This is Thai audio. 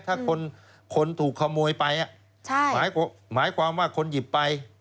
ถ้าคนถูกขโมยไปหมายความว่าคนหยิบไป